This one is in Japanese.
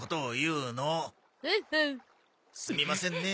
すみませんね。